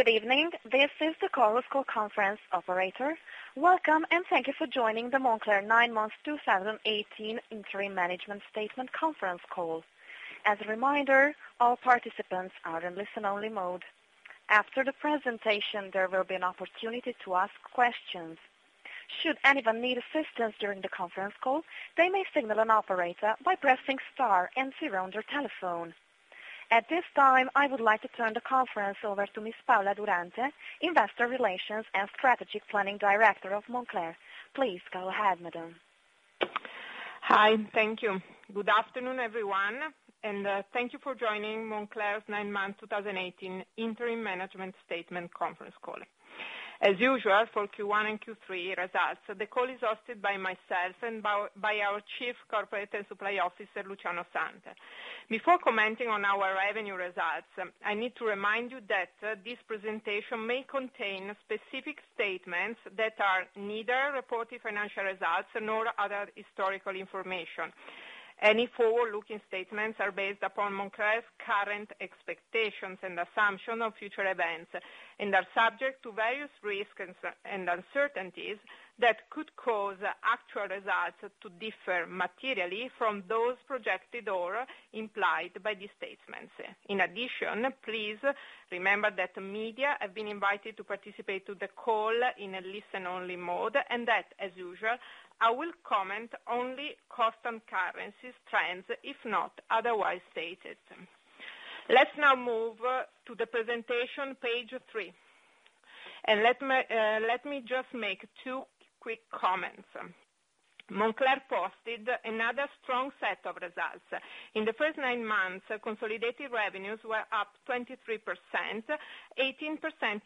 Good evening. This is the Chorus Call conference operator. Welcome, thank you for joining the Moncler 9 Month 2018 Interim Management Statement Conference Call. As a reminder, all participants are in listen-only mode. After the presentation, there will be an opportunity to ask questions. Should anyone need assistance during the conference call, they may signal an operator by pressing star and zero on their telephone. At this time, I would like to turn the conference over to Ms. Paola Durante, Investor Relations & Strategic Planning Director of Moncler. Please go ahead, madam. Hi. Thank you. Good afternoon, everyone, thank you for joining Moncler's 9 Month 2018 Interim Management Statement conference call. As usual for Q1 and Q3 results, the call is hosted by myself and by our Chief Corporate and Supply Officer, Luciano Santel. Before commenting on our revenue results, I need to remind you that this presentation may contain specific statements that are neither reported financial results nor other historical information. Any forward-looking statements are based upon Moncler's current expectations and assumption of future events, and are subject to various risks and uncertainties that could cause actual results to differ materially from those projected or implied by these statements. In addition, please remember that the media have been invited to participate to the call in a listen-only mode, and that, as usual, I will comment only constant currencies trends if not otherwise stated. Let's now move to the presentation, page three. Let me just make two quick comments. Moncler posted another strong set of results. In the first nine months, consolidated revenues were up 23%, 18%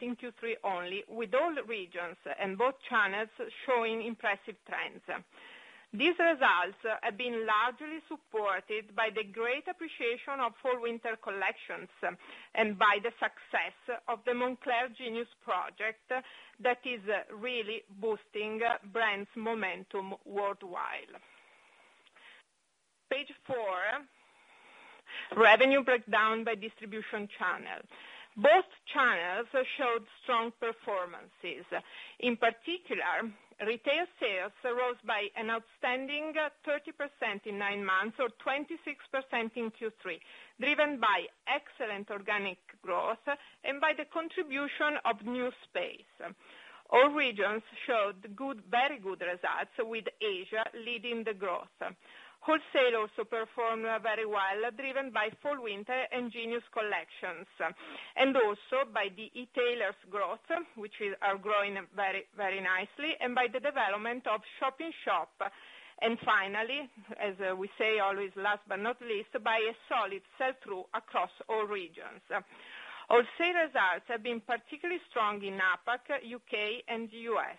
in Q3 only, with all regions and both channels showing impressive trends. These results have been largely supported by the great appreciation of fall-winter collections and by the success of the Moncler Genius project that is really boosting brand's momentum worldwide. Page four, revenue breakdown by distribution channels. Both channels showed strong performances. In particular, retail sales rose by an outstanding 30% in nine months or 26% in Q3, driven by excellent organic growth and by the contribution of new space. All regions showed very good results, with Asia leading the growth. Wholesale also performed very well, driven by fall-winter and Genius collections, and also by the e-tailers growth, which are growing very nicely, and by the development of shop-in-shop. Finally, as we say always, last but not least, by a solid sell-through across all regions. Wholesale results have been particularly strong in APAC, U.K., and U.S.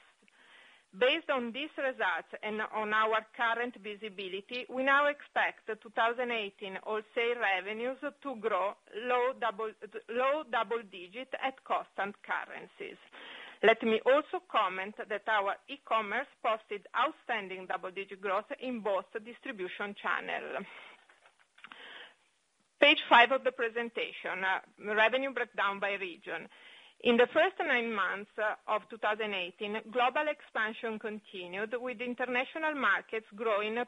Based on these results and on our current visibility, we now expect 2018 wholesale revenues to grow low double digit at constant currencies. Let me also comment that our e-commerce posted outstanding double-digit growth in both distribution channel. Page five of the presentation, revenue breakdown by region. In the first nine months of 2018, global expansion continued with international markets growing 26%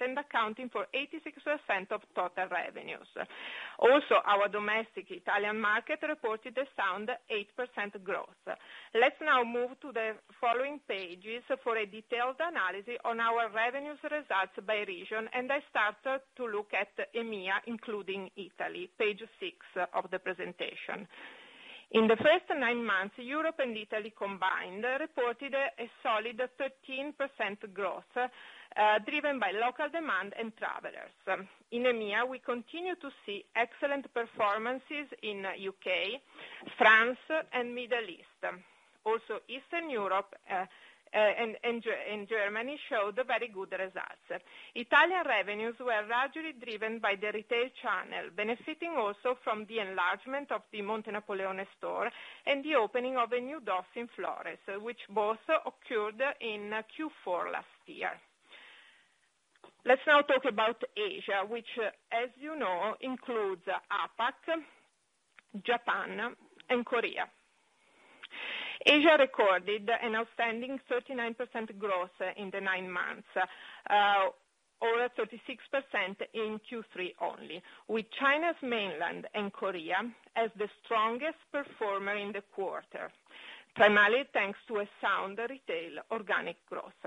and accounting for 86% of total revenues. Also, our domestic Italian market reported a sound 8% growth. Let's now move to the following pages for a detailed analysis on our revenues results by region. I start to look at EMEA, including Italy, page six of the presentation. In the first nine months, Europe and Italy combined reported a solid 13% growth, driven by local demand and travelers. In EMEA, we continue to see excellent performances in U.K., France, and Middle East. Eastern Europe and Germany showed very good results. Italian revenues were largely driven by the retail channel, benefiting also from the enlargement of the Montenapoleone store and the opening of a new DOS in Florence, which both occurred in Q4 last year. Let's now talk about Asia, which as you know, includes APAC, Japan, and Korea. Asia recorded an outstanding 39% growth in the nine months, or 36% in Q3 only, with China's mainland and Korea as the strongest performer in the quarter, primarily thanks to a sound retail organic growth.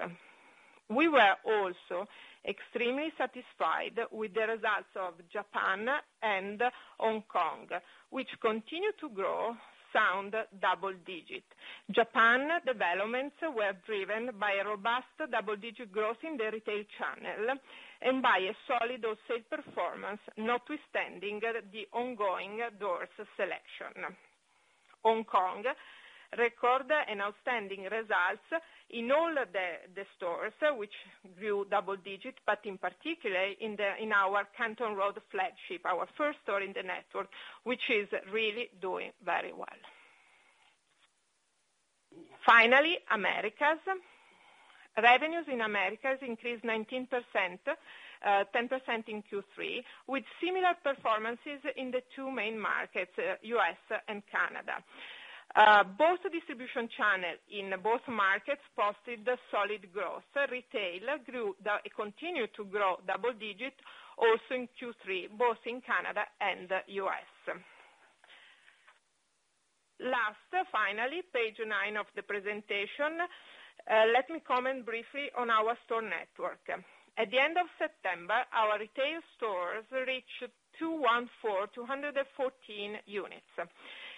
We were also extremely satisfied with the results of Japan and Hong Kong, which continue to grow sound double-digit. Japan developments were driven by a robust double-digit growth in the retail channel and by a solid wholesale performance, notwithstanding the ongoing doors selection. Hong Kong record an outstanding results in all the stores, which grew double-digit, but in particular in our Canton Road flagship, our first store in the network, which is really doing very well. Finally, Americas. Revenues in Americas increased 19%, 10% in Q3, with similar performances in the two main markets, U.S. and Canada. Both distribution channels in both markets posted solid growth. Retail continued to grow double-digits also in Q3, both in Canada and the U.S. Last, finally, page nine of the presentation. Let me comment briefly on our store network. At the end of September, our retail stores reached 214 units.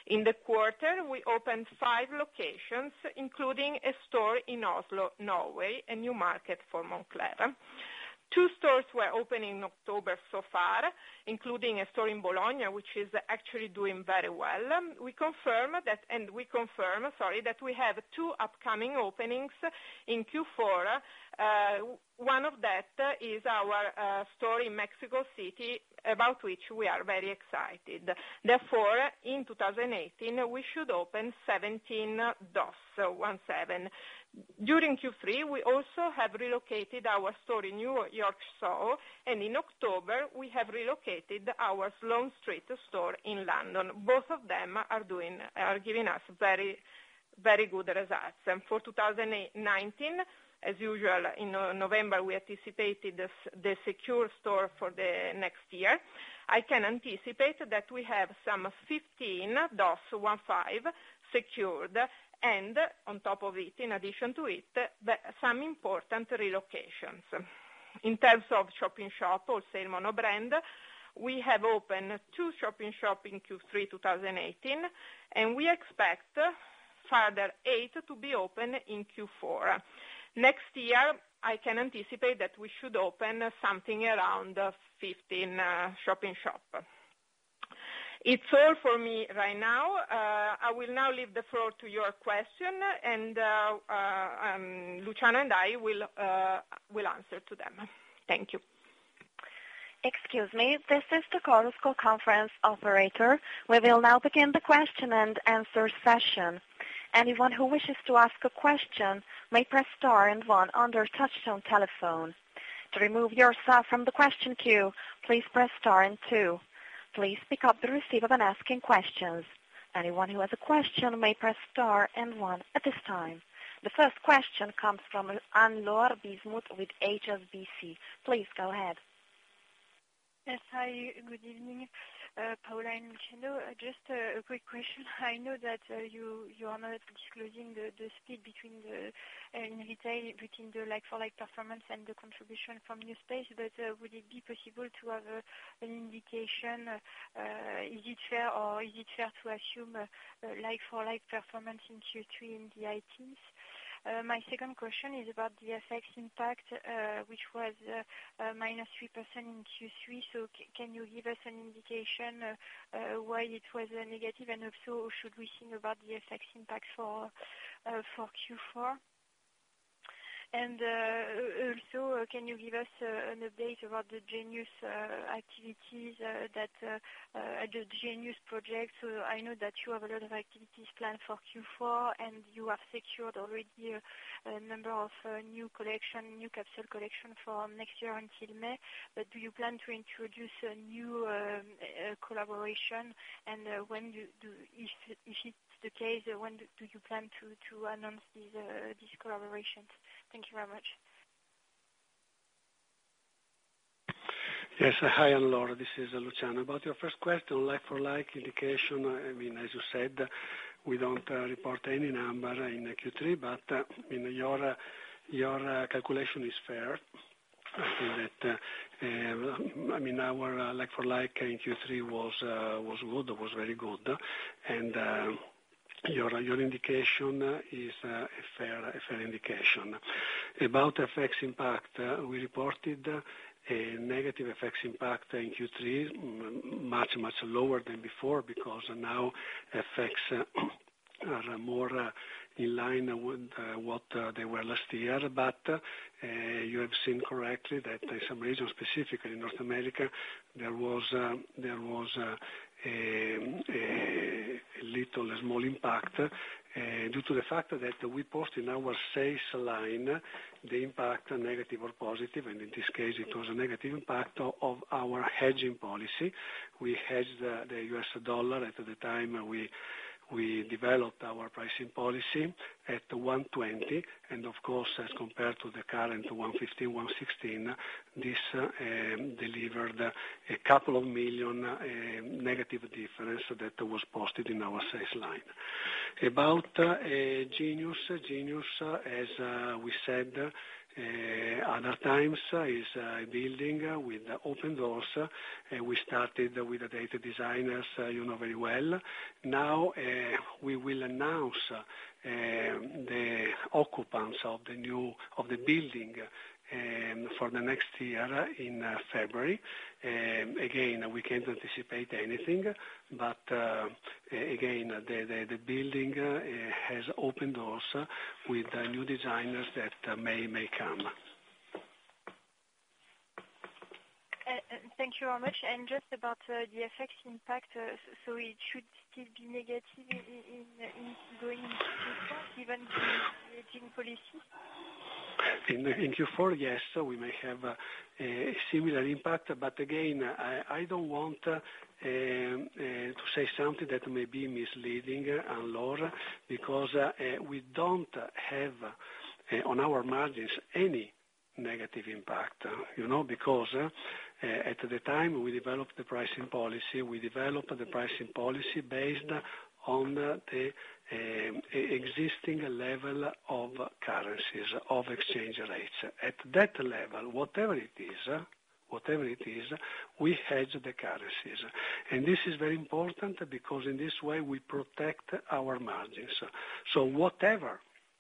In the quarter, we opened five locations, including a store in Oslo, Norway, a new market for Moncler. Two stores were opened in October so far, including a store in Bologna, which is actually doing very well. We confirm that we have two upcoming openings in Q4. One of that is our store in Mexico City, about which we are very excited. Therefore, in 2018, we should open 17 doors, 17. During Q3, we also have relocated our store in New York Soho, and in October, we have relocated our Sloane Street store in London. Both of them are giving us very good results. For 2019, as usual, in November, we anticipated the secure store for the next year. I can anticipate that we have some 15 doors, 15, secured, and on top of it, in addition to it, some important relocations. In terms of shop-in-shop or sale mono-brand, we have opened two shop-in-shop in Q3 2018, and we expect further eight to be opened in Q4. Next year, I can anticipate that we should open something around 15 shop-in-shop. It's all for me right now. I will now leave the floor to your question and Luciano and I will answer to them. Thank you. Excuse me. This is the call conference operator. We will now begin the question and answer session. Anyone who wishes to ask a question may press star and one on their touchtone telephone. To remove yourself from the question queue, please press star and two. Please pick up the receiver when asking questions. Anyone who has a question may press star and one at this time. The first question comes from Anne-Laure Bismuth with HSBC. Please go ahead. Yes. Hi, good evening, Paola and Luciano. Just a quick question. I know that you are not disclosing the split between the retail, between the like-for-like performance and the contribution from new space, but would it be possible to have an indication? Is it fair to assume a like-for-like performance in Q3 in the high teens? My second question is about the FX impact, which was -3% in Q3. Can you give us an indication why it was negative? If so, should we think about the FX impact for Q4? Also, can you give us an update about the Genius activities, the Genius project? I know that you have a lot of activities planned for Q4, and you have secured already a number of new collection, new capsule collection for next year until May, but do you plan to introduce a new collaboration? If it's the case, when do you plan to announce these collaborations? Thank you very much. Yes. Hi, Anne-Laure. This is Luciano. About your first question, like-for-like indication, as you said, we don't report any number in Q3, but your calculation is fair. Our like-for-like in Q3 was very good. Your indication is a fair indication. About FX impact, we reported a negative FX impact in Q3, much lower than before because now FX are more in line with what they were last year. You have seen correctly that in some regions, specifically North America, there was a little, a small impact due to the fact that we post in our sales line the impact, negative or positive, and in this case it was a negative impact, of our hedging policy. We hedged the US dollar at the time we developed our pricing policy at 120. Of course, as compared to the current 115, 116, this delivered a couple of million EUR negative difference that was posted in our sales line. About Genius, as we said other times, is a building with open doors. We started with the designers, you know very well. Now, we will announce the occupants of the building for the next year in February. Again, we can't anticipate anything, but, again, the building has open doors with new designers that may come. Thank you very much. Just about the FX impact, it should still be negative in going forward given the hedging policy? In Q4, yes, we may have a similar impact, but again, I don't want to say something that may be misleading, Laura, because we don't have, on our margins, any negative impact. Because at the time we developed the pricing policy, we developed the pricing policy based on the existing level of currencies, of exchange rates. At that level, whatever it is, we hedge the currencies. This is very important because in this way, we protect our margins.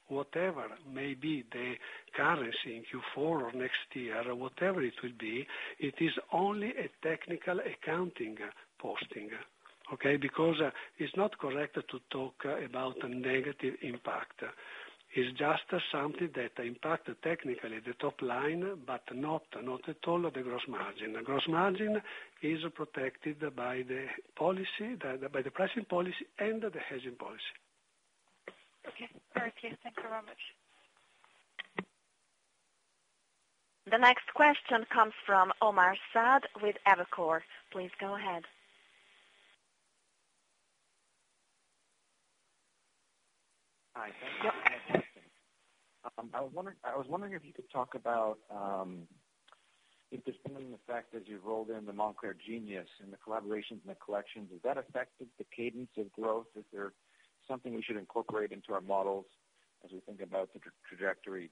Whatever may be the currency in Q4 or next year, or whatever it will be, it is only a technical accounting posting. Okay? Because it's not correct to talk about a negative impact. It's just something that impacted technically the top line, but not at all the gross margin. The gross margin is protected by the pricing policy and the hedging policy. Okay. Very clear. Thank you very much. The next question comes from Omar Saad with Evercore. Please go ahead. Hi. Thank you. I was wondering if you could talk about, in discerning the fact that you've rolled in the Moncler Genius and the collaborations and the collections, has that affected the cadence of growth? Is there something we should incorporate into our models as we think about the trajectory,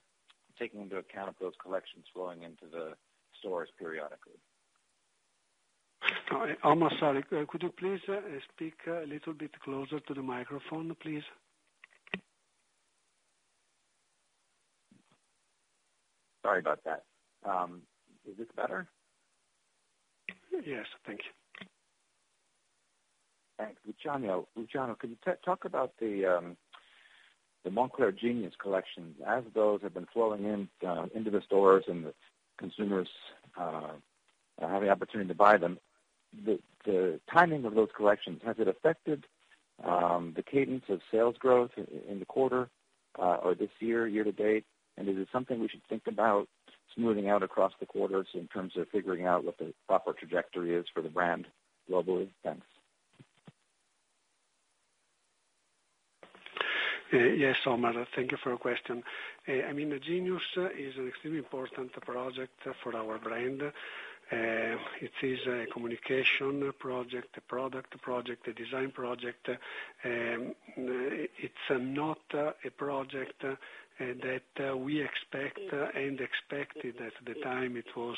taking into account those collections flowing into the stores periodically? Omar, sorry. Could you please speak a little bit closer to the microphone, please? Sorry about that. Is this better? Yes. Thank you. Thanks. Luciano, can you talk about the Moncler Genius collections? As those have been flowing into the stores and the consumers have the opportunity to buy them, the timing of those collections, has it affected the cadence of sales growth in the quarter or this year-to-date? Is it something we should think about smoothing out across the quarters in terms of figuring out what the proper trajectory is for the brand globally? Thanks. Yes, Omar. Thank you for your question. Genius is an extremely important project for our brand. It is a communication project, a product project, a design project. It's not a project that we expect and expected at the time it was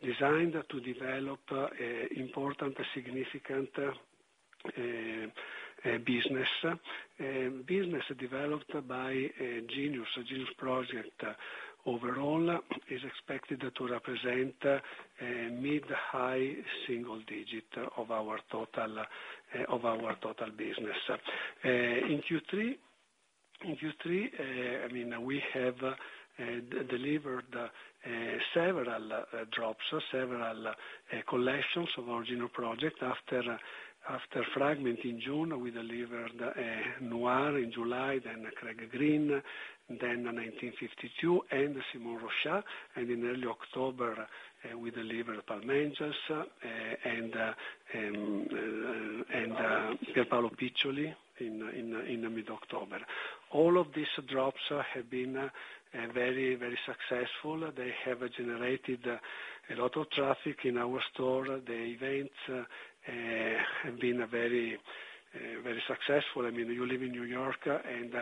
designed to develop important, significant business. Business developed by Genius Project overall is expected to represent mid-high single digit of our total business. In Q3, we have delivered several drops, several collections of our Genius project. After Fragment in June, we delivered Noir in July, then Craig Green, then 1952, Simone Rocha. In early October, we delivered Palm Angels, Pierpaolo Piccioli in the mid-October. All of these drops have been very successful. They have generated a lot of traffic in our store. The events have been very successful. You live in New York, and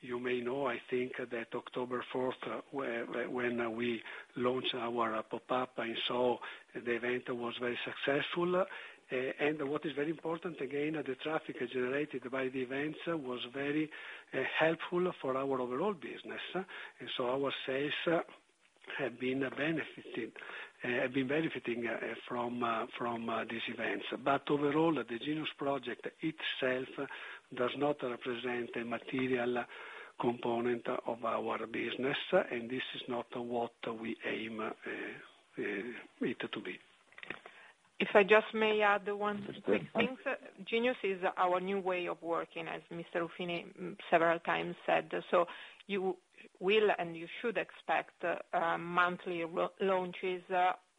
you may know, I think, that October 4th, when we launched our pop-up, the event was very successful. What is very important, again, the traffic generated by the events was very helpful for our overall business. Our sales have been benefiting from these events. Overall, the Genius project itself does not represent a material component of our business, and this is not what we aim it to be. If I just may add one quick thing. Genius is our new way of working, as Mr. Ruffini several times said. You will, and you should expect monthly launches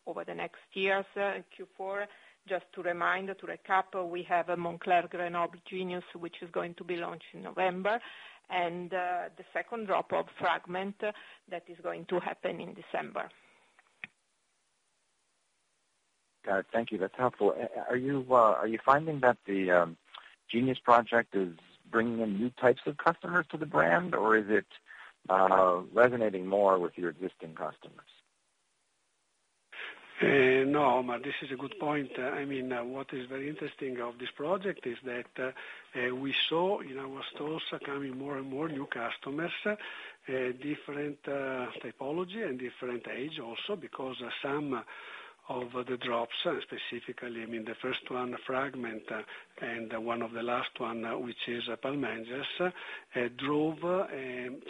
over the next years. In Q4, just to remind, to recap, we have Moncler Grenoble Genius, which is going to be launched in November, and the second drop of Fragment that is going to happen in December. Got it. Thank you. That's helpful. Are you finding that the Genius project is bringing in new types of customers to the brand, or is it resonating more with your existing customers? Omar, this is a good point. What is very interesting of this project is that we saw in our stores coming more and more new customers, different typology and different age also, because some of the drops, specifically, the first one, Fragment, and one of the last one, which is Palm Angels, drove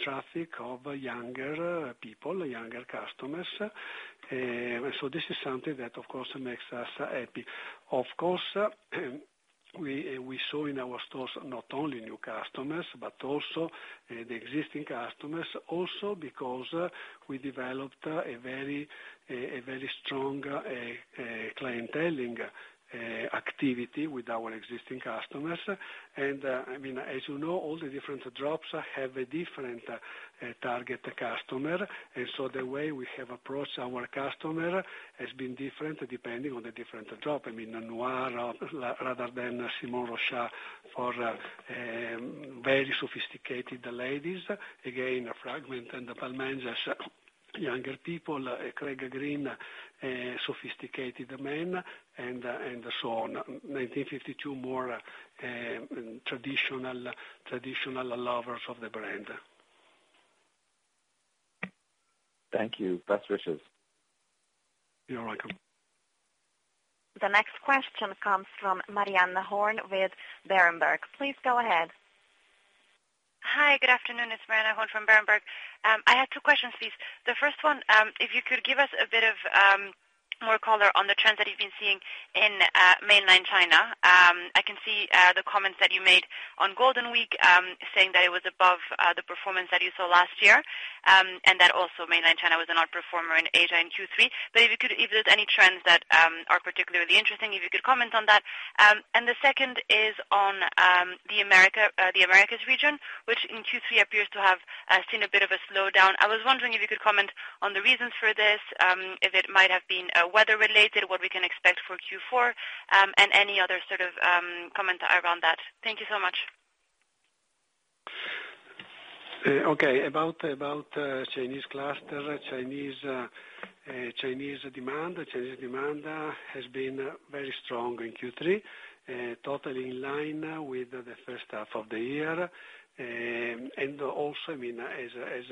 traffic of younger people, younger customers. This is something that, of course, makes us happy. Of course, we saw in our stores not only new customers but also the existing customers, also because we developed a very strong clienteling activity with our existing customers. As you know, all the different drops have a different target customer. The way we have approached our customer has been different depending on the different drop. Noir rather than Simone Rocha for very sophisticated ladies. Again, Fragment and Palm Angels, younger people, Craig Green, sophisticated men, and so on. 1952, more traditional lovers of the brand. Thank you. Best wishes. You're welcome. The next question comes from Marianne Horn with Berenberg. Please go ahead. Hi. Good afternoon. It's Marianne Horn from Berenberg. I had two questions, please. The first one, if you could give us a bit of more color on the trends that you've been seeing in mainland China. I can see the comments that you made on Golden Week, saying that it was above the performance that you saw last year, and that also mainland China was an outperformer in Asia in Q3. If there's any trends that are particularly interesting, if you could comment on that. The second is on the Americas region, which in Q3 appears to have seen a bit of a slowdown. I was wondering if you could comment on the reasons for this, if it might have been weather related, what we can expect for Q4, and any other sort of comment around that. Thank you so much. Okay. About Chinese cluster, Chinese demand has been very strong in Q3, totally in line with the first half of the year. As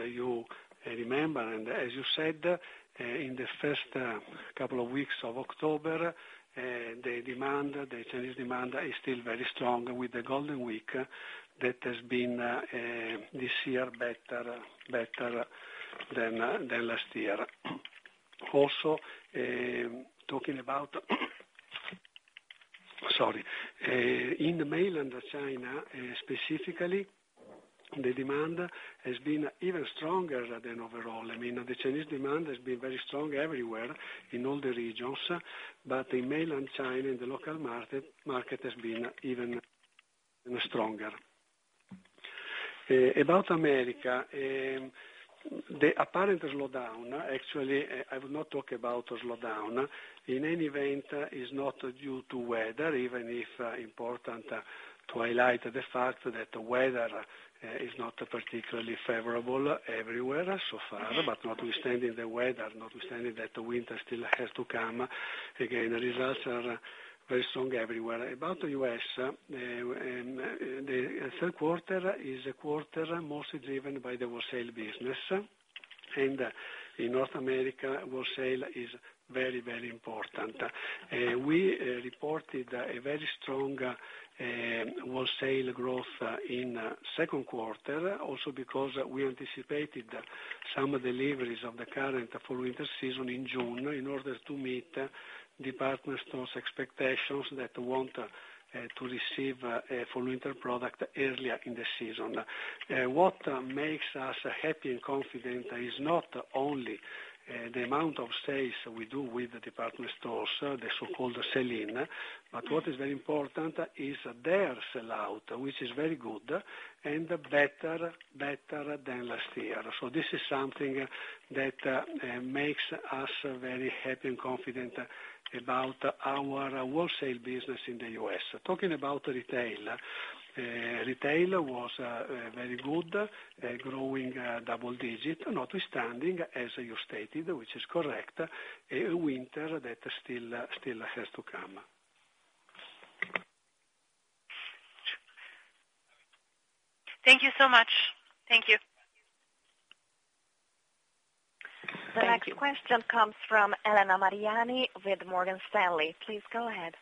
you remember and as you said, in the first couple of weeks of October, the Chinese demand is still very strong with the Golden Week that has been, this year, better than last year. Talking about. In mainland China specifically, the demand has been even stronger than overall. The Chinese demand has been very strong everywhere, in all the regions. In mainland China, in the local market, has been even stronger. About America, the apparent slowdown, actually, I would not talk about a slowdown. In any event, it's not due to weather, even if important to highlight the fact that weather is not particularly favorable everywhere so far. Notwithstanding the weather, notwithstanding that winter still has to come, again, the results are very strong everywhere. About the U.S., the third quarter is a quarter mostly driven by the wholesale business. In North America, wholesale is very important. We reported a very strong wholesale growth in second quarter also because we anticipated some deliveries of the current fall/winter season in June in order to meet department stores' expectations that want to receive fall/winter product earlier in the season. What makes us happy and confident is not only the amount of sales we do with the department stores, the so-called sell-in, but what is very important is their sell-out, which is very good and better than last year. This is something that makes us very happy and confident about our wholesale business in the U.S. Talking about retail. Retail was very good, growing double digit, notwithstanding, as you stated, which is correct, a winter that still has to come. Thank you so much. Thank you. Thank you. The next question comes from Elena Mariani with Morgan Stanley. Please go ahead.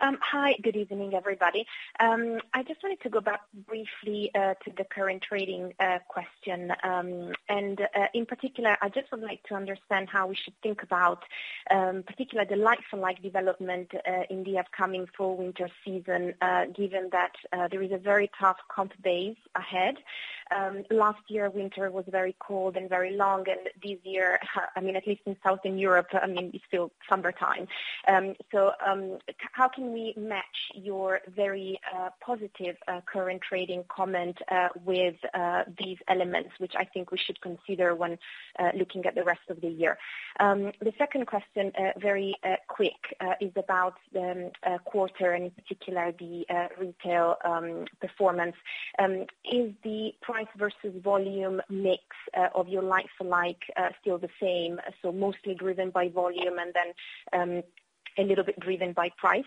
Hi. Good evening, everybody. I just wanted to go back briefly to the current trading question. In particular, I just would like to understand how we should think about, particularly the like-for-like development in the upcoming fall/winter season, given that there is a very tough comp base ahead. Last year, winter was very cold and very long, this year, at least in Southern Europe, it's still summertime. How can we match your very positive current trading comment with these elements, which I think we should consider when looking at the rest of the year? The second question, very quick, is about the quarter and in particular, the retail performance. Is the price versus volume mix of your like-for-like still the same? Mostly driven by volume then a little bit driven by price?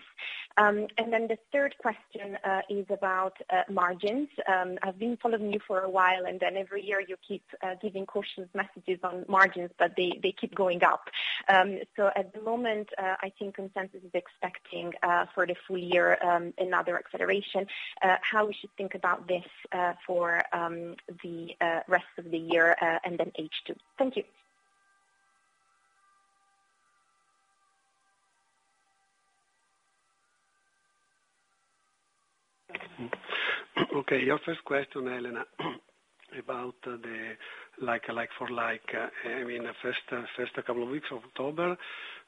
The third question is about margins. I've been following you for a while, every year you keep giving cautious messages on margins, they keep going up. At the moment, I think consensus is expecting, for the full year, another acceleration. How we should think about this for the rest of the year, H2. Thank you. Okay, your first question, Helena, about the like-for-like. First couple of weeks of October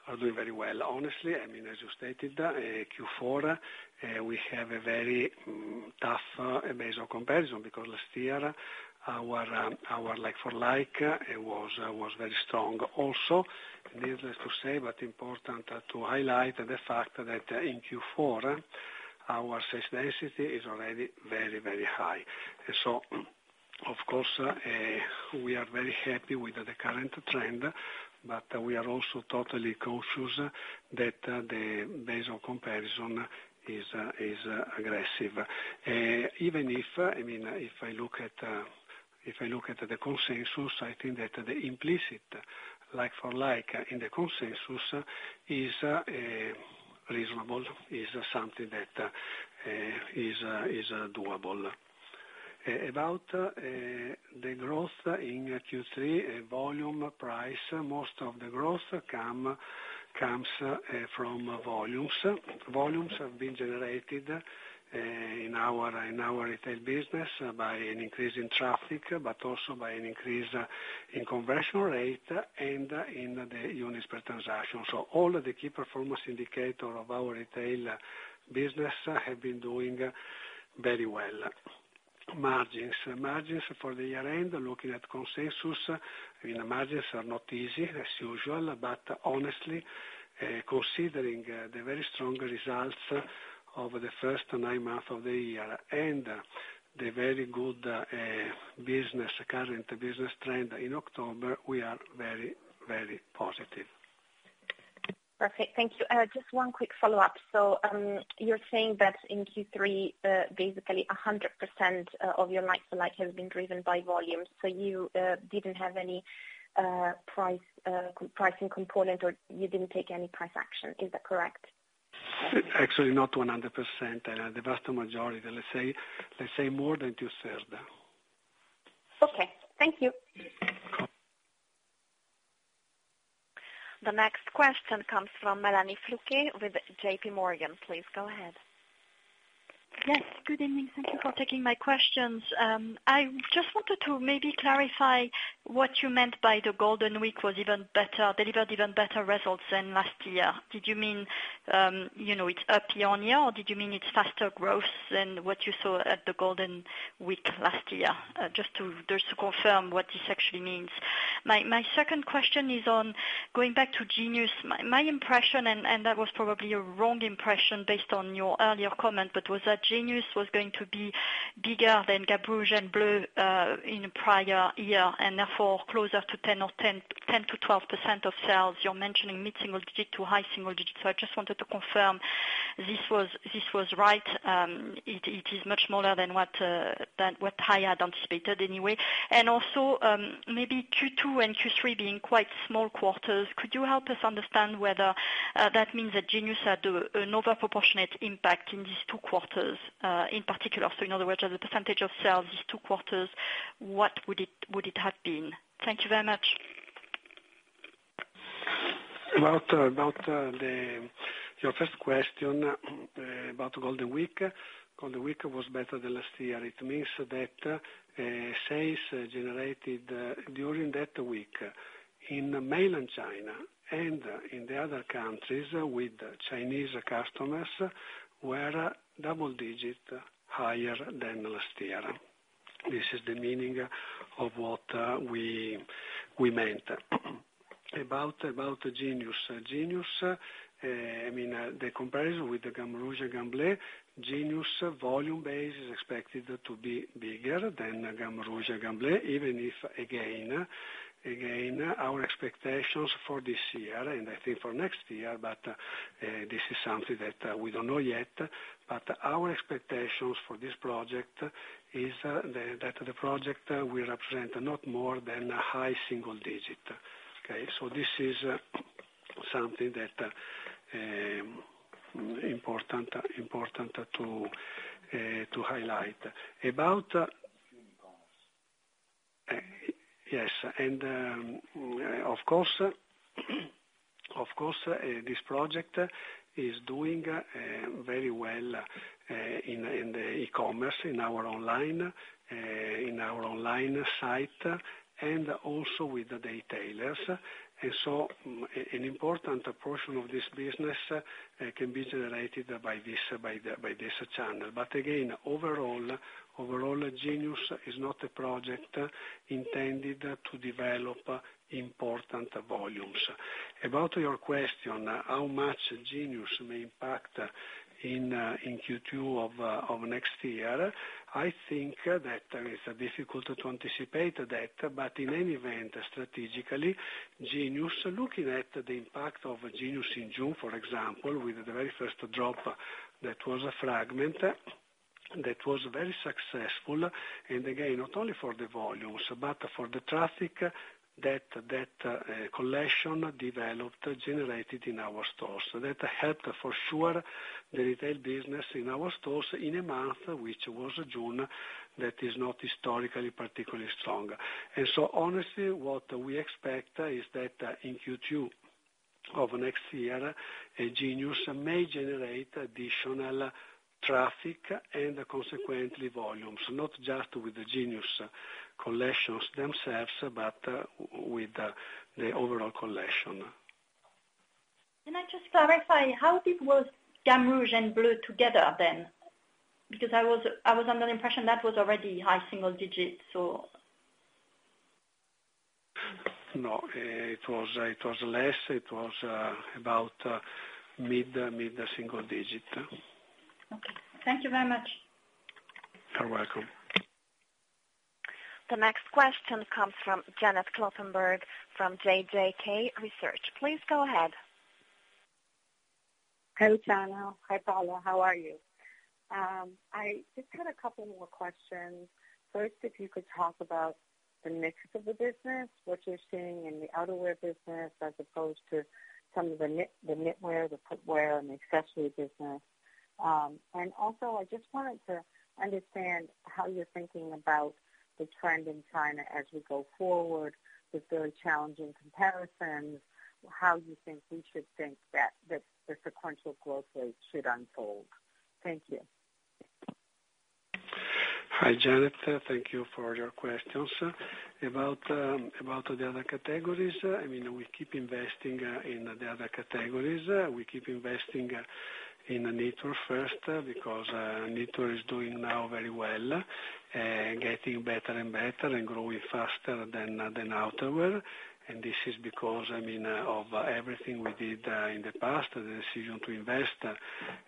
are doing very well. Honestly, as you stated, Q4, we have a very tough base of comparison because last year our like-for-like was very strong also. Needless to say, but important to highlight the fact that in Q4 our sales density is already very, very high. Of course, we are very happy with the current trend, but we are also totally cautious that the base of comparison is aggressive. If I look at the consensus, I think that the implicit like-for-like in the consensus is reasonable, is something that is doable. About the growth in Q3 volume price, most of the growth comes from volumes. Volumes have been generated in our retail business by an increase in traffic, but also by an increase in conversion rate and in the units per transaction. All the key performance indicator of our retail business have been doing very well. Margins for the year end, looking at consensus, margins are not easy as usual. Honestly, considering the very strong results of the first nine months of the year and the very good current business trend in October, we are very, very positive. Perfect. Thank you. Just one quick follow-up. You're saying that in Q3, basically 100% of your like-for-like has been driven by volume. You didn't have any pricing component, or you didn't take any price action. Is that correct? Actually, not 100%. The vast majority. Let's say more than two-third. Okay. Thank you. The next question comes from Mélanie Flouquet with J.P. Morgan. Please go ahead. Yes, good evening. Thank you for taking my questions. I just wanted to maybe clarify what you meant by the Golden Week delivered even better results than last year. Did you mean it is up year-over-year, or did you mean it is faster growth than what you saw at the Golden Week last year? Just to confirm what this actually means. My second question is on going back to Genius. My impression, and that was probably a wrong impression based on your earlier comment, but was that Genius was going to be bigger than Gamme Rouge and Gamme Bleu in prior year, and therefore closer to 10%-12% of sales. You are mentioning mid-single-digit to high-single-digit. I just wanted to confirm this was right. It is much smaller than what I had anticipated anyway. Maybe Q2 and Q3 being quite small quarters, could you help us understand whether that means that Genius had an over proportionate impact in these two quarters in particular? In other words, as a percentage of sales these two quarters, what would it have been? Thank you very much. Your first question, about Golden Week. Golden Week was better than last year. It means that sales generated during that week in mainland China and in the other countries with Chinese customers were double-digit higher than last year. This is the meaning of what we meant. Genius. Genius, the comparison with the Gamme Rouge and Gamme Bleu, Genius volume base is expected to be bigger than Gamme Rouge and Gamme Bleu, even if, again, our expectations for this year and I think for next year, this is something that we don't know yet. Our expectations for this project is that the project will represent not more than a high single-digit. Okay. This is something that important to highlight. This project is doing very well in the e-commerce, in our online site, and also with the retailers. An important portion of this business can be generated by this channel. Again, overall Genius is not a project intended to develop important volumes. Your question, how much Genius may impact in Q2 of next year, I think that it's difficult to anticipate that. In any event, strategically, looking at the impact of Genius in June, for example, with the very first drop, that was a Fragment that was very successful, again, not only for the volumes, but for the traffic that collection developed, generated in our stores. That helped for sure the retail business in our stores in a month, which was June, that is not historically particularly strong. Honestly, what we expect is that in Q2 of next year, Genius may generate additional traffic and consequently, volumes, not just with the Genius collections themselves, but with the overall collection. Can I just clarify, how was Gamme Rouge and Gamme Bleu together then? I was under the impression that was already high single-digits. It was less. It was about mid-single-digit. Okay. Thank you very much. You're welcome. The next question comes from Janet Kloppenburg from JJK Research. Please go ahead. Hi, Luciano. Hi, Paola. How are you? I just had a couple more questions. First, if you could talk about the mix of the business, what you're seeing in the outerwear business, as opposed to some of the knitwear, the footwear, and the accessory business. Also, I just wanted to understand how you're thinking about the trend in China as we go forward with very challenging comparisons, how you think we should think that the sequential growth rate should unfold. Thank you. Hi, Janet. Thank you for your questions. About the other categories, we keep investing in the other categories. We keep investing in knitwear first because knitwear is doing now very well, getting better and better and growing faster than outerwear. This is because of everything we did in the past, the decision to invest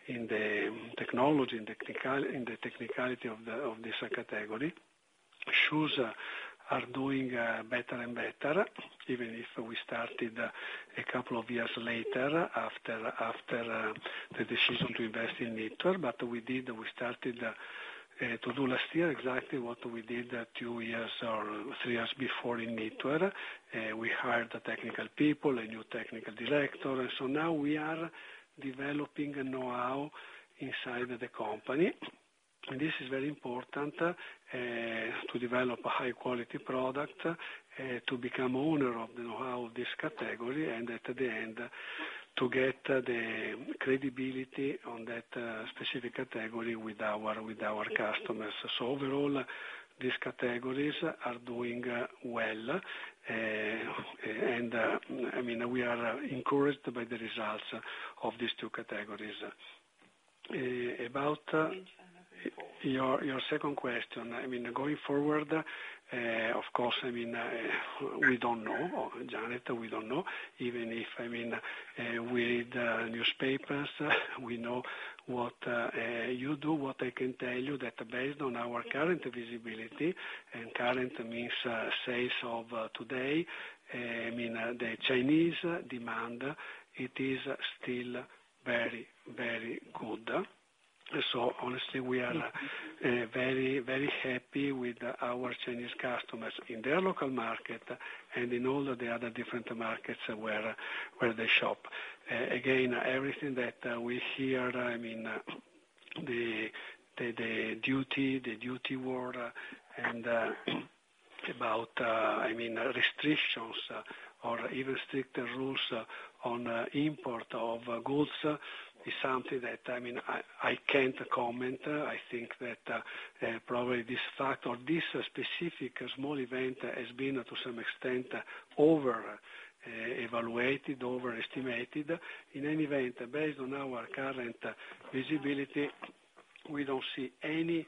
in the technology, in the technicality of this category. Shoes are doing better and better, even if we started a couple of years later after the decision to invest in knitwear. We started to do last year exactly what we did two years or three years before in knitwear. We hired technical people, a new technical director. Now we are developing knowhow inside the company. This is very important, to develop a high-quality product, to become owner of the knowhow of this category, and at the end, to get the credibility on that specific category with our customers. Overall, these categories are doing well. We are encouraged by the results of these two categories. About your second question, going forward, of course, we don't know, Janet. We don't know. Even if we read newspapers we know what you do, what I can tell you, that based on our current visibility, and current means sales of today, the Chinese demand, it is still very, very good. Honestly, we are very, very happy with our Chinese customers in their local market and in all of the other different markets where they shop. Again, everything that we hear, the duty war, and about restrictions or even stricter rules on import of goods is something that I can't comment. I think that probably this fact or this specific small event has been, to some extent, over-evaluated, over-estimated. In any event, based on our current visibility, we don't see any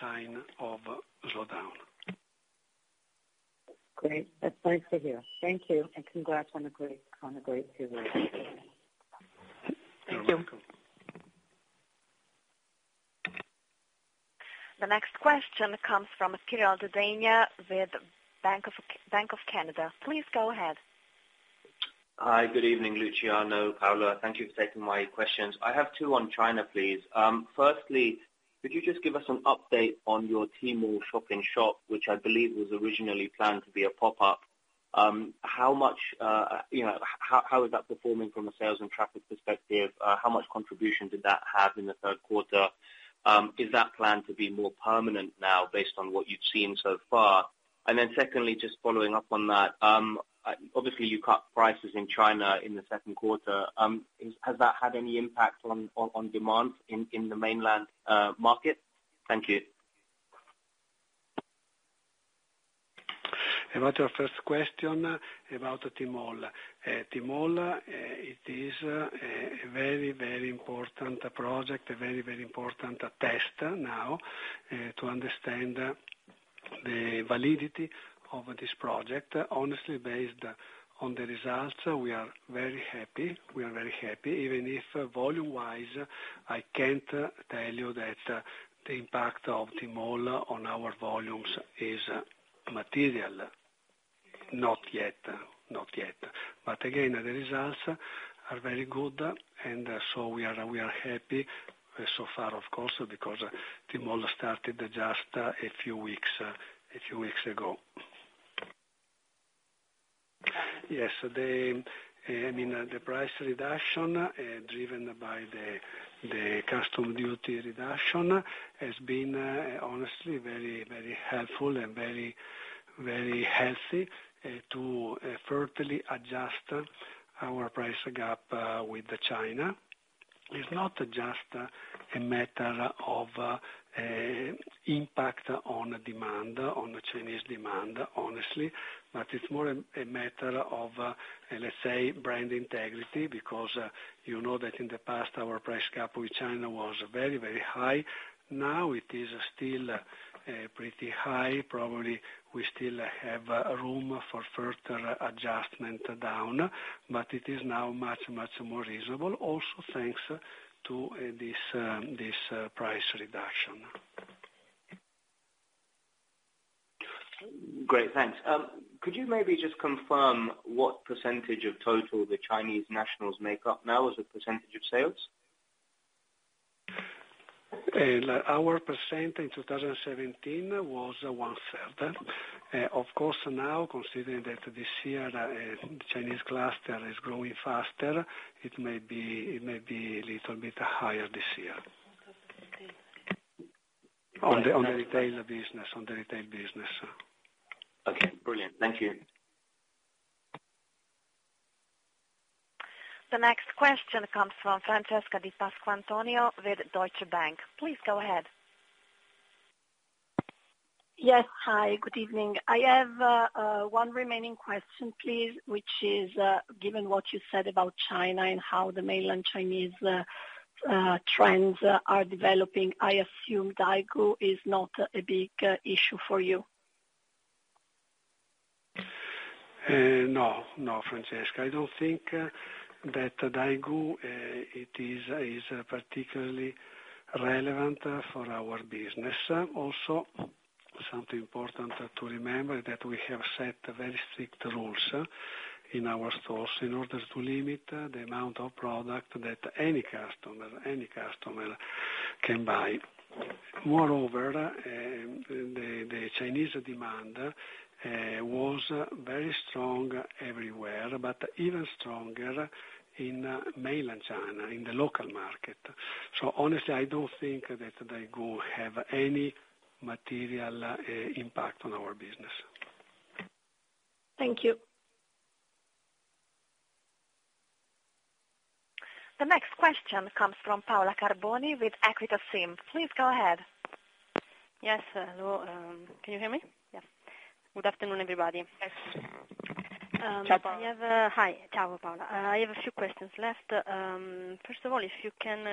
sign of slowdown. Great. That's nice to hear. Thank you, and congrats on the great figures. Thank you. You're welcome. The next question comes from Kirillandenia with Bank of America. Please go ahead. Hi, good evening, Luciano, Paola. Thank you for taking my questions. I have two on China, please. Firstly, could you just give us an update on your Tmall shop-in-shop, which I believe was originally planned to be a pop-up. How is that performing from a sales and traffic perspective? How much contribution did that have in the third quarter? Is that planned to be more permanent now based on what you've seen so far? Secondly, just following up on that, obviously, you cut prices in China in the second quarter. Has that had any impact on demand in the mainland market? Thank you. About your first question about Tmall. Tmall, it is a very, very important project, a very, very important test now to understand the validity of this project. Honestly, based on the results, we are very happy. We are very happy. Even if volume-wise, I can't tell you that the impact of Tmall on our volumes is material. Not yet. Again, the results are very good, so we are happy so far, of course, because Tmall started just a few weeks ago. Yes. The price reduction, driven by the custom duty reduction, has been honestly very, very helpful and very healthy to further adjust our price gap with China. It's not just a matter of impact on demand, on the Chinese demand, honestly, but it's more a matter of, let's say, brand integrity, because you know that in the past, our price gap with China was very high. Now it is still pretty high. Probably we still have room for further adjustment down, but it is now much, much more reasonable also thanks to this price reduction. Great, thanks. Could you maybe just confirm what % of total the Chinese nationals make up now as a % of sales? Our % in 2017 was one third. Of course, now, considering that this year the Chinese cluster is growing faster, it may be a little bit higher this year. On retail. On the retail business. Okay, brilliant. Thank you. The next question comes from Francesca Di Pasquantonio with Deutsche Bank. Please go ahead. Yes. Hi, good evening. I have one remaining question, please, which is, given what you said about China and how the mainland Chinese trends are developing, I assume Daigou is not a big issue for you. No, Francesca, I don't think that Daigou is particularly relevant for our business. Also, something important to remember that we have set very strict rules in our stores in order to limit the amount of product that any customer can buy. Moreover, the Chinese demand was very strong everywhere, but even stronger in mainland China, in the local market. Honestly, I don't think that Daigou have any material impact on our business. Thank you. The next question comes from Paola Carboni with Equita SIM. Please go ahead. Yes, hello. Can you hear me? Yes. Good afternoon, everybody. Ciao, Paola. Hi. Ciao, Paola. I have a few questions left. First of all, if you can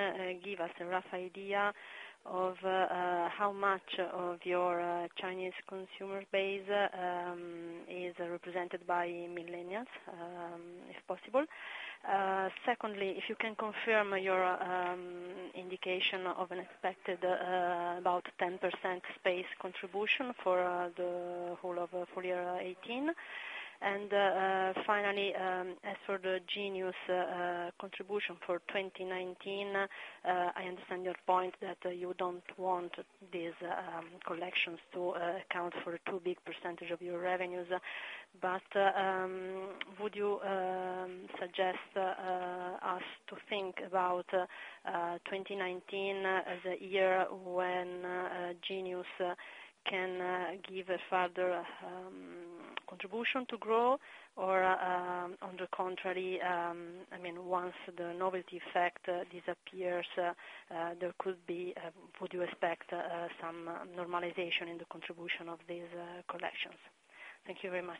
give us a rough idea of how much of your Chinese consumer base is represented by millennials, if possible. Secondly, if you can confirm your indication of an expected about 10% space contribution for the whole of full year 2018. Finally, as for the Genius contribution for 2019, I understand your point that you don't want these collections to account for too big % of your revenues. Would you suggest us to think about 2019 as a year when Genius can give a further contribution to grow? Or, on the contrary, once the novelty effect disappears, would you expect some normalization in the contribution of these collections? Thank you very much.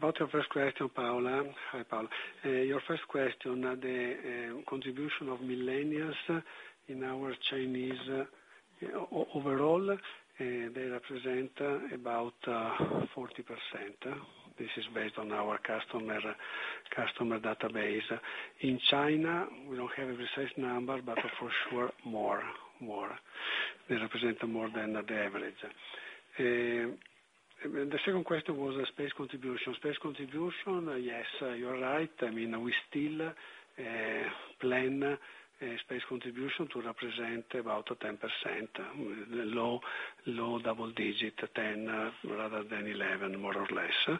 About your first question, Paola. Hi, Paola. Your first question, the contribution of millennials in our Chinese. Overall, they represent about 40%. This is based on our customer database. In China, we don't have a precise number, but for sure, more. They represent more than the average. The second question was space contribution. Space contribution, yes, you're right. We still plan space contribution to represent about 10%, low double digit 10 rather than 11, more or less.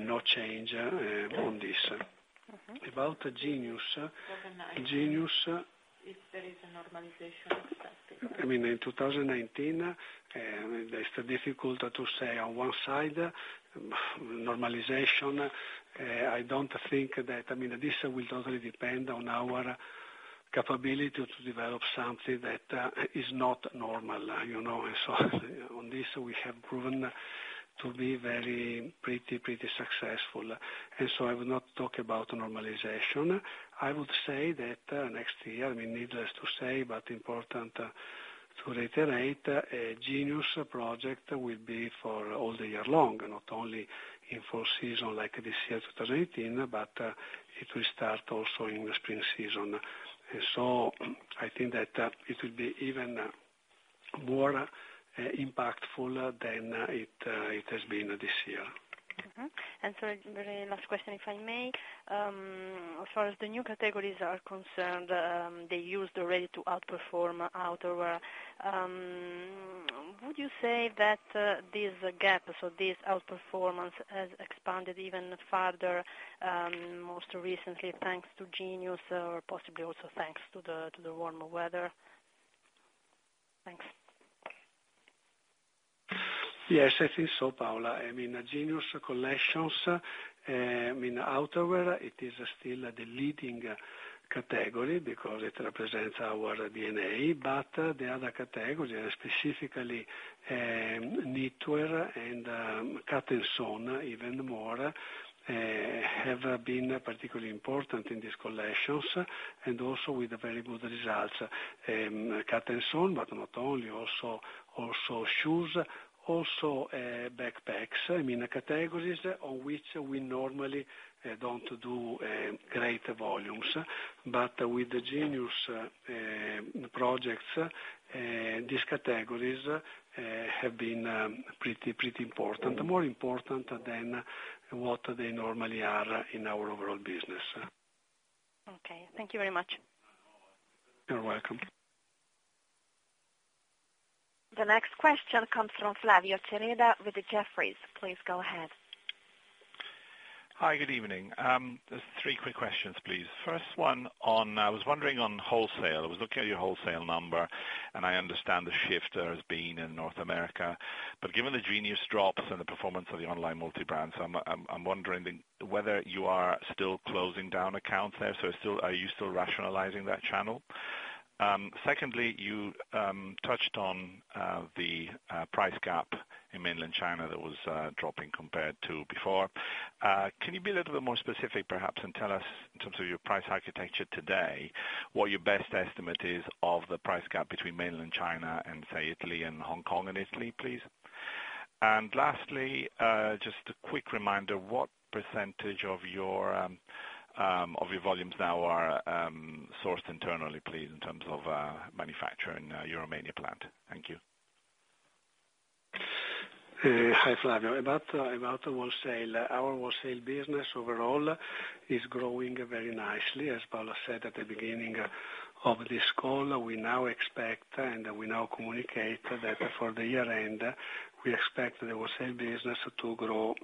No change on this. For the next year, if there is a normalization expected? In 2019, it is difficult to say. On one side, normalization, this will totally depend on our capability to develop something that is not normal. On this, we have proven to be very pretty successful. I will not talk about normalization. I would say that next year, needless to say, but important to reiterate, Genius project will be for all the year long, not only in full season like this year, 2018, but it will start also in the spring season. I think that it will be even more impactful than it has been this year. Sorry, the very last question, if I may. As far as the new categories are concerned, they used already to outperform outerwear. Would you say that this gap, so this outperformance, has expanded even further, most recently, thanks to Genius or possibly also thanks to the warmer weather? Thanks. Yes, I think so, Paola. In Genius collections, outerwear is still the leading category because it represents our DNA. The other categories, specifically knitwear and cut and sew even more, have been particularly important in these collections, and also with very good results. Cut and sew, but not only, also shoes, also backpacks. Categories on which we normally don't do great volumes. With the Genius projects, these categories have been pretty important. More important than what they normally are in our overall business. Okay. Thank you very much. You're welcome. The next question comes from Flavio Cereda with Jefferies. Please go ahead. Hi, good evening. Just three quick questions, please. First one, I was wondering on wholesale. I was looking at your wholesale number, and I understand the shift there has been in North America. Given the Genius drops and the performance of the online multi-brands, I'm wondering whether you are still closing down accounts there. Are you still rationalizing that channel? Secondly, you touched on the price gap in mainland China that was dropping compared to before. Can you be a little bit more specific, perhaps, and tell us in terms of your price architecture today, what your best estimate is of the price gap between mainland China and, say, Italy and Hong Kong and Italy, please? Lastly, just a quick reminder, what percentage of your volumes now are sourced internally, please, in terms of manufacturing in your Romania plant? Thank you. Hi, Flavio. About the wholesale. Our wholesale business overall is growing very nicely. As Paola said at the beginning of this call, we now expect and we now communicate that for the year-end, we expect the wholesale business to grow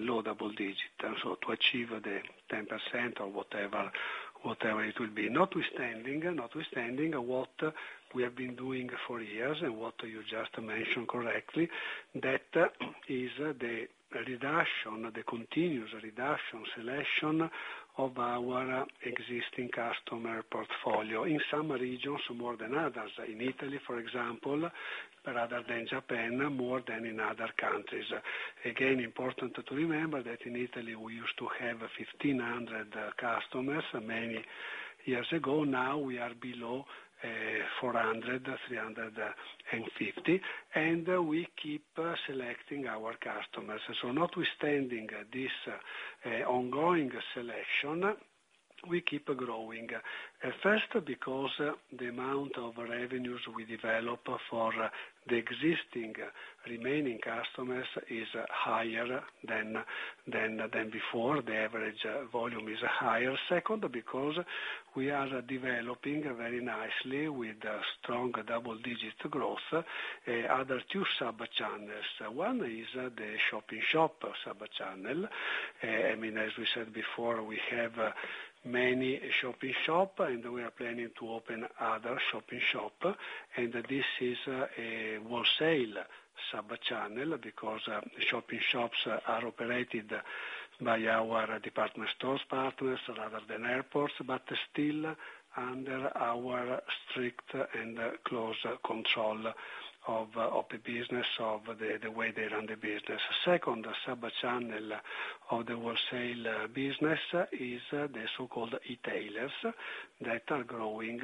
low double digits. To achieve the 10% or whatever it will be. Notwithstanding what we have been doing for years and what you just mentioned correctly, that is the continuous reduction selection of our existing customer portfolio. In some regions, more than others. In Italy, for example, rather than Japan, more than in other countries. Again, important to remember that in Italy, we used to have 1,500 customers many years ago. Now we are below 400, 350, and we keep selecting our customers. Notwithstanding this ongoing selection, we keep growing. First, because the amount of revenues we develop for the existing remaining customers is higher than before. The average volume is higher. Second, because we are developing very nicely with strong double-digit growth. Other two sub-channels. One is the shop-in-shop sub-channel. As we said before, we have many shop-in-shop, and we are planning to open other shop-in-shop. This is a wholesale sub-channel because shop-in-shops are operated by our department store's partners rather than airports, but still under our strict and close control of the business, of the way they run the business. Second sub-channel of the wholesale business is the so-called e-tailers that are growing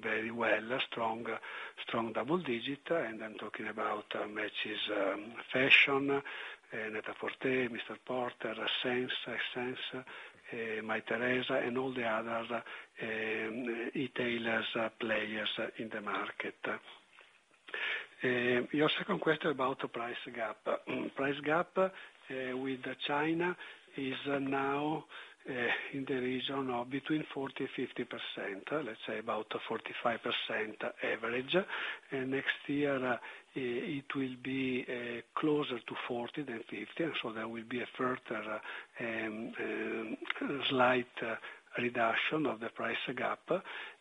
very well, strong double digit. I am talking about MATCHESFASHION, Net-a-Porter, Mr Porter, SSENSE, Mytheresa, and all the other e-tailers players in the market. Your second question about the price gap. Price gap with China is now in the region of between 40% and 50%, let's say about a 45% average. Next year it will be closer to 40% than 50%. There will be a further slight reduction of the price gap.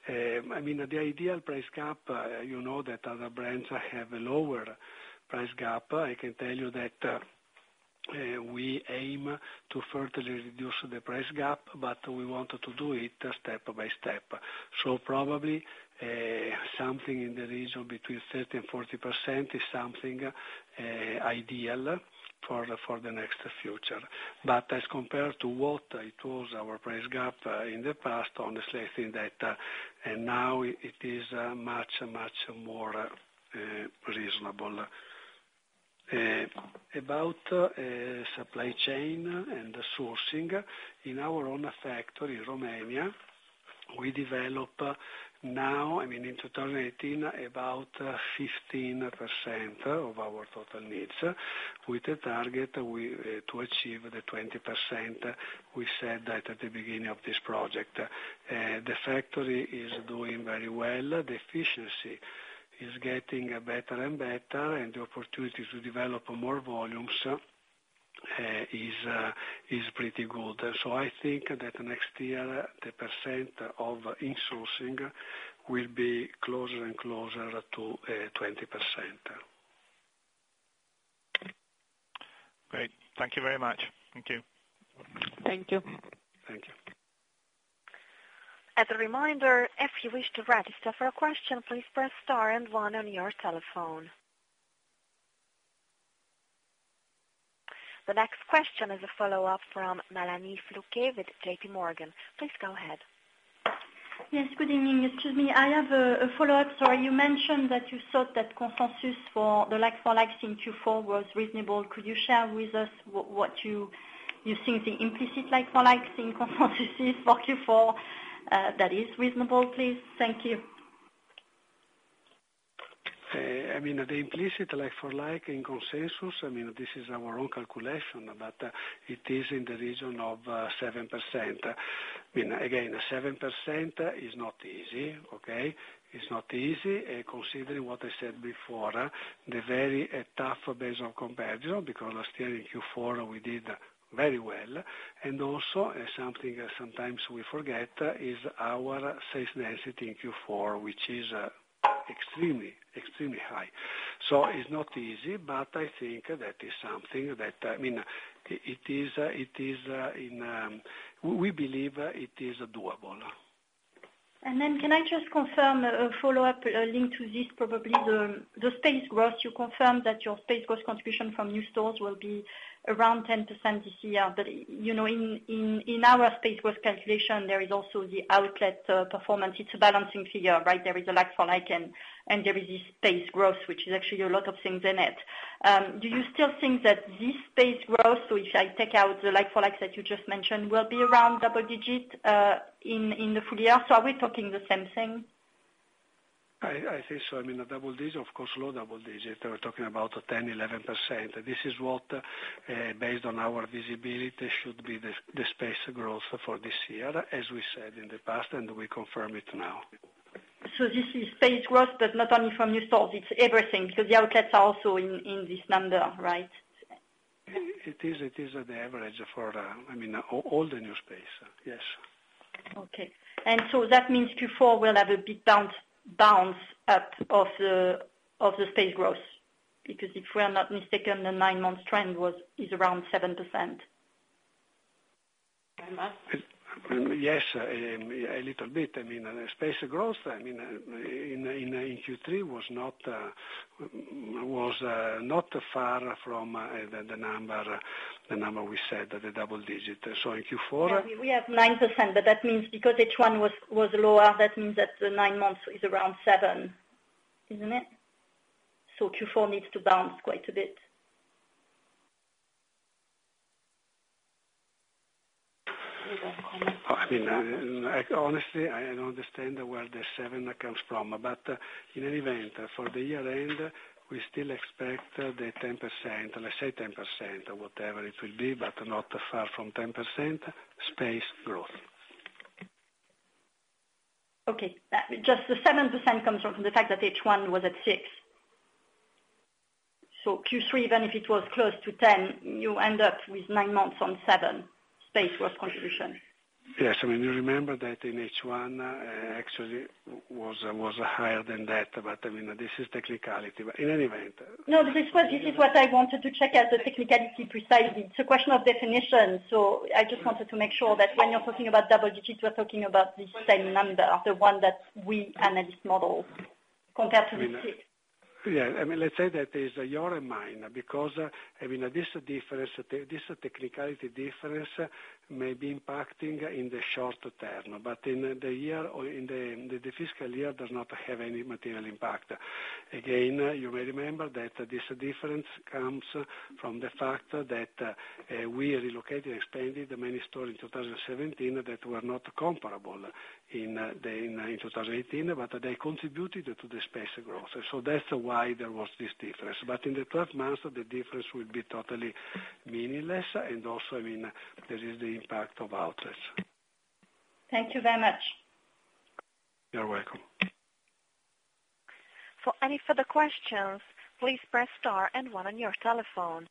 The ideal price gap, you know that other brands have a lower price gap. I can tell you that we aim to further reduce the price gap, but we want to do it step by step. Probably, something in the region between 30% and 40% is something ideal for the next future. As compared to what it was our price gap in the past, honestly, I think that now it is much, much more reasonable. About supply chain and sourcing. In our own factory in Romania, we develop now, in 2018, about 15% of our total needs with a target to achieve the 20% we said that at the beginning of this project. The factory is doing very well. The efficiency is getting better and better, and the opportunity to develop more volumes is pretty good. I think that next year, the percent of in-sourcing will be closer and closer to 20%. Great. Thank you very much. Thank you. Thank you. Thank you. As a reminder, if you wish to register for a question, please press star and one on your telephone. The next question is a follow-up from Mélanie Flouquet with J.P. Morgan. Please go ahead. Yes, good evening. Excuse me. I have a follow-up. You mentioned that you thought that consensus for the like-for-like in Q4 was reasonable. Could you share with us what you think the implicit like-for-like in consensus is for Q4, that is reasonable, please? Thank you. The implicit like-for-like in consensus, this is our own calculation, but it is in the region of 7%. Again, 7% is not easy. Okay? It's not easy, considering what I said before, the very tough base of comparison, because last year in Q4 we did very well, and also something that sometimes we forget is our sales density in Q4, which is extremely high. It's not easy, but I think that is something that we believe it is doable. Can I just confirm a follow-up link to this, probably the space growth, you confirm that your space growth contribution from new stores will be around 10% this year. In our space growth calculation, there is also the outlet performance. It's a balancing figure, right? There is a like-for-like, and there is this space growth, which is actually a lot of things in it. Do you still think that this space growth, which I take out the like-for-like that you just mentioned, will be around double digit, in the full year? Are we talking the same thing? I think so. A double digit, of course, low double digit. We're talking about 10%, 11%. This is what, based on our visibility, should be the space growth for this year, as we said in the past, and we confirm it now. This is space growth, not only from your stores, it's everything. The outlets are also in this number, right? It is the average for all the new space. Yes. Okay. That means Q4 will have a big bounce up of the space growth. If we're not mistaken, the nine months trend is around 7%. Yes, a little bit. Space growth in Q3 was not far from the number we said, the double digit. We have 9%, but that means because H1 was lower, that means that the nine months is around 7%, isn't it? Q4 needs to bounce quite a bit. Honestly, I don't understand where the seven comes from. In any event, for the year-end, we still expect the 10%, let's say 10%, or whatever it will be, not far from 10% space growth. Okay. Just the 7% comes from the fact that H1 was at 6%. Q3, even if it was close to 10%, you end up with nine months on 7% space worth contribution. Yes. You remember that in H1, actually was higher than that. This is technicality. In any event. This is what I wanted to check out, the technicality precisely. It's a question of definition. I just wanted to make sure that when you're talking about double digits, we're talking about the same number, the one that we analysts model compared to the six. Let's say that is your mind, because this technicality difference may be impacting in the short term, but in the fiscal year does not have any material impact. Again, you may remember that this difference comes from the fact that we relocated, expanded many stores in 2017 that were not comparable in 2018, but they contributed to the space growth. That's why there was this difference. But in the 12 months, the difference will be totally meaningless. Also, there is the impact of outlets. Thank you very much. You're welcome. For any further questions, please press star and one on your telephone.